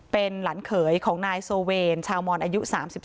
เป็นหลานเขยของนายโซเวนชาวมอนอายุ๓๒